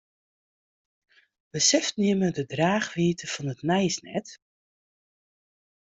Beseften jimme de draachwiidte fan it nijs net?